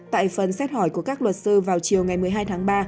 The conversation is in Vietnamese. tại phần xét hỏi của các luật sư vào chiều ngày một mươi hai tháng ba